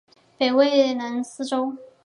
东魏武定七年属南司州。